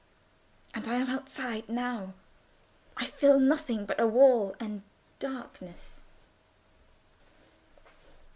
And I am outside now. I feel nothing but a wall and darkness."